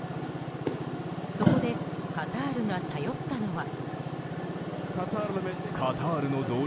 そこでカタールが頼ったのは。